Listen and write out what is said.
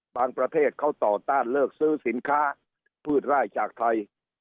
ประเทศเขาต่อต้านเลิกซื้อสินค้าพืชไร่จากไทย